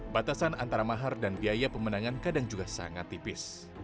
batasan antara mahar dan biaya pemenangan kadang juga sangat tipis